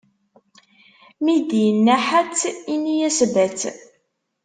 Mi d-inna ḥatt, ini-as batt.